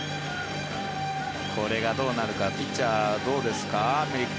これがどうなるかピッチャーどうですか。